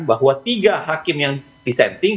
bahwa tiga hakim yang disenting